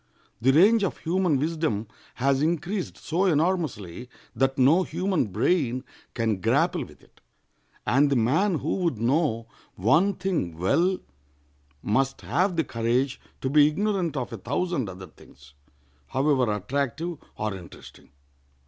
The range of human wisdom has increased so enormously that no human brain can grapple with it, and the man who would know one thing well must have the courage to be ignorant of a thousand other things, however attractive or interesting.